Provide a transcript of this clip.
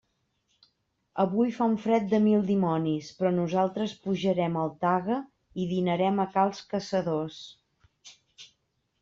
Avui fa un fred de mil dimonis, però nosaltres pujarem al Taga i dinarem a cals Caçadors.